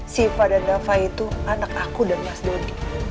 siva dan dava itu anak aku dan mas doni